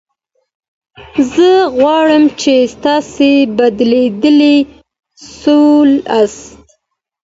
زه غواړم چي تاسي بېدېدلي سواست.